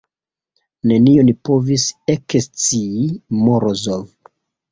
Nenion povis ekscii Morozov.